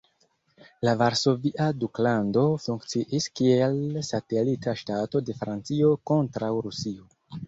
La Varsovia Duklando funkciis kiel satelita ŝtato de Francio kontraŭ Rusio.